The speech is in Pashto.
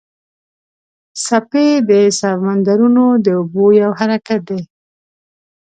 څپې د سمندرونو د اوبو یو حرکت دی.